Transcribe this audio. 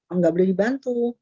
enggak boleh dibantu